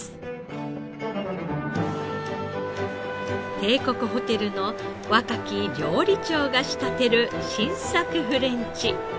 帝国ホテルの若き料理長が仕立てる新作フレンチ。